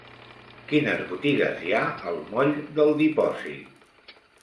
Quines botigues hi ha al moll del Dipòsit?